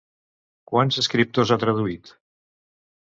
Quants escriptors ha traduït?